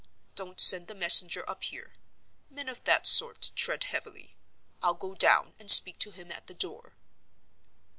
Don't send the messenger up here. Men of that sort tread heavily. I'll go down, and speak to him at the door."